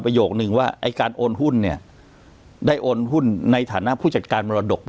โยคนึงว่าไอ้การโอนหุ้นเนี่ยได้โอนหุ้นในฐานะผู้จัดการมรดกไป